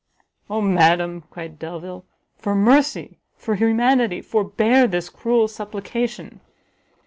"Oh madam!" cried Delvile, "for mercy, for humanity, forbear this cruel supplication!"